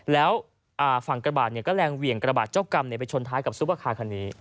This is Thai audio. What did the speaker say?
แล้วฝั่งกระบะเนี่ยก็แรงเหวี่ยงกระบะเจ้ากรรมเนี่ยไปชนท้ายกับซูปอาคารคันนี้